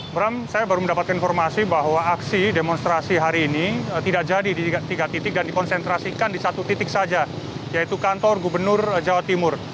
bram saya baru mendapatkan informasi bahwa aksi demonstrasi hari ini tidak jadi di tiga titik dan dikonsentrasikan di satu titik saja yaitu kantor gubernur jawa timur